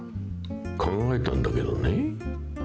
考えたんだけどね